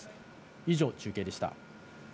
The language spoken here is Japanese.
以上、中継でした。